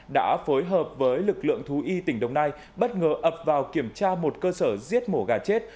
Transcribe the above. đã phối hợp với lực lượng thú y tỉnh đồng nai bất ngờ ập vào kiểm tra một cơ sở giết mổ gà chết